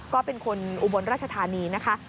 ก็เป็นคนอุบลราชธานีนะคะ